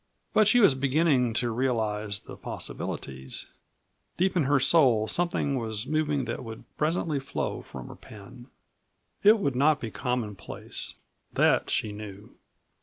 But she was beginning to realize the possibilities; deep in her soul something was moving that would presently flow from her pen. It would not be commonplace that she knew.